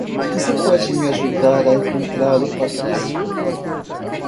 Você pode me ajudar a encontrar o Patrício?